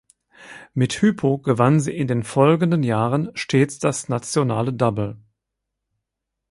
Mit Hypo gewann sie in den folgenden Jahren stets das nationale Double.